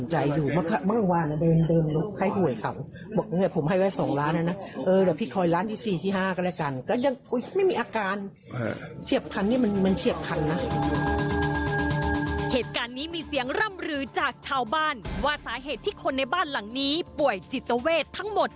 เหตุการณ์นี้มีเสียงร่ำรือจากชาวบ้านว่าสาเหตุที่คนในบ้านหลังนี้ป่วยจิตเวททั้งหมด